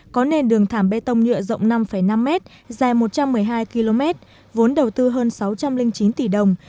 có nền đường thảm bê tông nhựa rộng năm năm m dài một trăm một mươi hai km vốn đầu tư hơn sáu trăm linh chín tỷ đồng